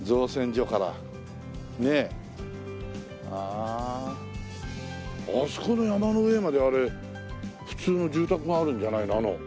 あそこの山の上まであれ普通の住宅があるんじゃないの？